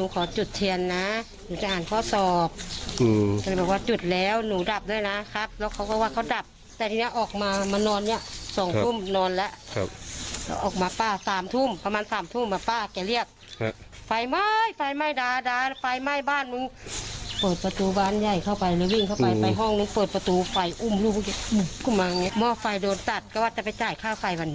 คิ้วลูกหัวใหม่บ้านมึงเปิดประตูบ้านใหญ่เข้าไป